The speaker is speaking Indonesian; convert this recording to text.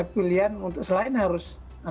pilihan untuk selain harus